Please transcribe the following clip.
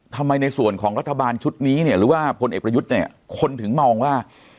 ในส่วนของรัฐบาลชุดนี้เนี่ยหรือว่าพลเอกประยุทธ์เนี่ยคนถึงมองว่า